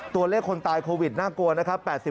ตัวเลขคนตายโควิดน่ากลัวนะครับ